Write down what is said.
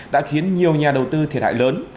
đã khiến nhiều nhà đầu tư thiệt hại lớn